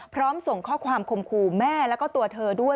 พร้อมส่งข้อความคมคู่แม่แล้วก็ตัวเธอด้วย